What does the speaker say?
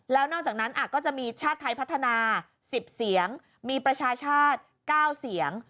แล้วนอกจากนั้นก็จะมีชาติไทยพัฒนา๑๐เสียงมีประชาชาติ๙เสียง